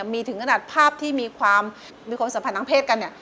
มีถึงขนาดภาพที่มีความสัมพันธ์ทางเพศกัน